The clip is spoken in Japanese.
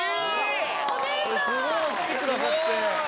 スゴい！来てくださって。